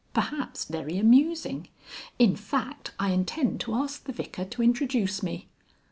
Perhaps very amusing. In fact, I intend to ask the Vicar to introduce me."